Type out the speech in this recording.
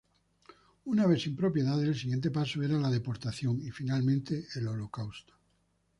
Una vez sin propiedades, el siguiente paso era la deportación y finalmente el holocausto.